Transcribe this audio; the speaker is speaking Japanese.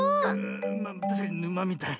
まあたしかにぬまみたい。